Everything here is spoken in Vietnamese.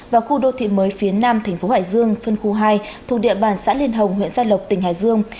và khu đô thị mới phía nam tp hải dương phân khu hai thuộc địa bàn xã liên hồng huyện gia lộc tỉnh hải dương